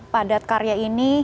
padat karya ini